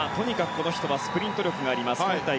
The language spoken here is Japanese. この人はスプリント力があります。